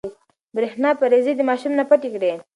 برېښنا پريزې د ماشوم نه پټې کړئ.